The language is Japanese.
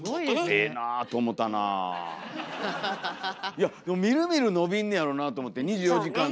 いやみるみる伸びんねやろなと思って２４時間で。